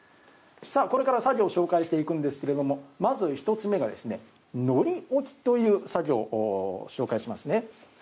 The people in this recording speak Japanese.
これから作業を紹介していくんですけれどもまず１つ目が糊置きという作業を紹介しますね。